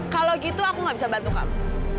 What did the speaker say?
kalau gitu aku gak bisa bantu kamu